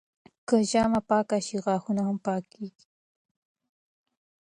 که ژامه پاکه شي، غاښونه هم پاکېږي.